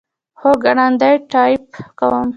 هو، ګړندی ټایپ کوم